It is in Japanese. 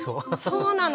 そうなの。